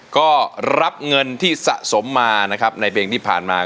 ก็รับเงินที่สะสมมานะครับในเพลงที่ผ่านมา